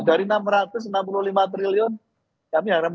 dari enam ratus enam puluh lima triliun kami harapkan